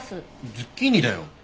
ズッキーニだよ。